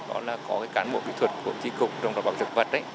đó là có cán bộ kỹ thuật của chí cục trọng đạo bảo dược vật